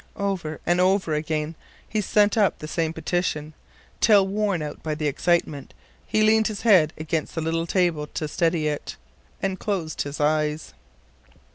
"Over and over again he sent up the same petition, till, worn out by the excitement, he leaned his head against the little table to steady it, and closed his eyes.